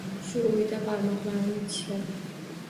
Shu oʻyda barmoqlarimni tishladim.